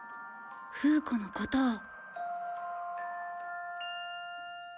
フー子のことを。